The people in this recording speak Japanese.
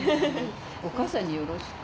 お母さんによろしく。